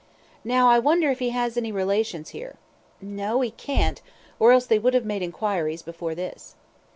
Now, I wonder if he has any relations here? No, he can't, or else they would have made enquiries, before this.